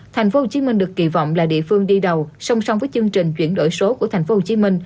tp hcm được kỳ vọng là địa phương đi đầu song song với chương trình chuyển đổi số của tp hcm